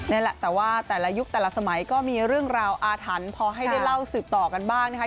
นี่แหละแต่ว่าแต่ละยุคแต่ละสมัยก็มีเรื่องราวอาถรรพ์พอให้ได้เล่าสืบต่อกันบ้างนะคะ